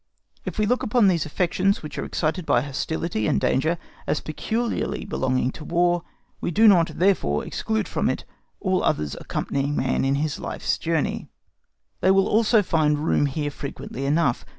If we look upon these affections which are excited by hostility and danger as peculiarly belonging to War, we do not, therefore, exclude from it all others accompanying man in his life's journey. They will also find room here frequently enough.